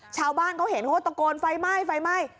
ชาวบ้านเขาเห็นเขาก็ตะโกนไฟไหม้ไฟไหม้